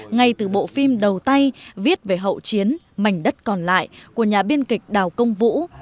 ngay từ bộ phim đầu tay viết về hậu chiến mảnh đất còn lại của nhà biên kịch đào công vũ